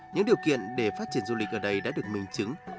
những điều kiện để phát triển du lịch ở đây đã được minh chứng